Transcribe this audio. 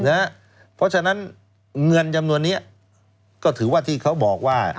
เพราะฉะนั้นเงินจำนวนนี้ก็ถือว่าที่เขาบอกว่า